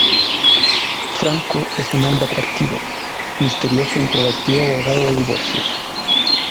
Franco es un hombre atractivo, misterioso e introvertido abogado de divorcios.